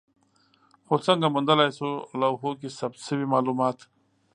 خو څنګه موندلای شو لوحو کې ثبت شوي مالومات؟